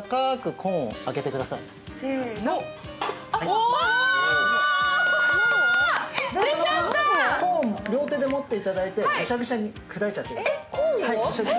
コーン、両手で持っていただいてぐしゃぐしゃに砕いちゃってください。